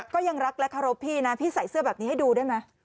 ก็ยังรักและเคารพพี่นะพี่ใส่เสื้อแบบนี้ให้ดูได้ไหม